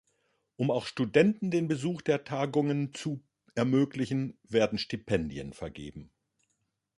Um auch Studenten den Besuch der Tagungen zu ermöglichen, werden Stipendien vergeben.